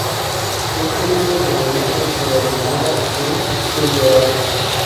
Este es uno de los orígenes de la leyenda de El Dorado.